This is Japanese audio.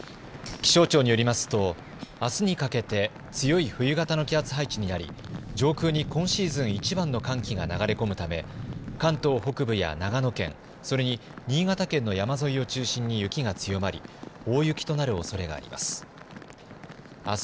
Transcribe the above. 気象庁によりますと、あすにかけて強い冬型の気圧配置になり上空に今シーズンいちばんの寒気が流れ込むため関東北部や長野県、それに新潟県の山沿いを中心に雪が強まり大雪となるおそれがあります。